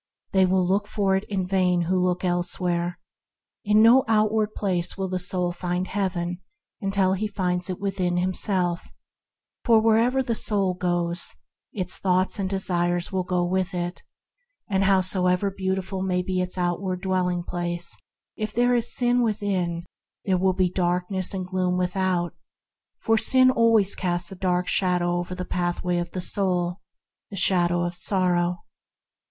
They will look for it in vain who look elsewhere. In no outward place will the soul find Heaven until it finds it within itself; for wherever the soul goes its thoughts and desires go with it; and however beautiful may be its outward dwelling place, if there is sin within, there will be darkness and gloom without; for sin casts a dark shadow over the pathway of the soul — the shadow of sorrow.